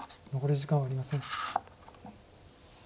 残り時間はありません。